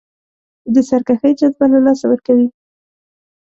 د سرکښۍ جذبه له لاسه ورکوي.